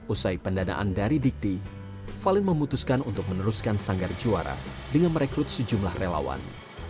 usai pendanaan dari dikti valen memutuskan untuk meneruskan sanggar juara dengan merekrut sejumlah relawan